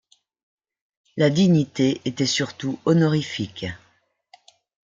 La dignité était surtout honorifique.